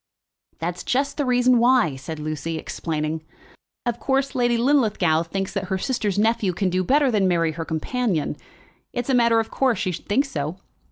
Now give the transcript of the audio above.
"That's just the reason why," said Lucy, explaining. "Of course, Lady Linlithgow thinks that her sister's nephew can do better than marry her companion. It's a matter of course she should think so.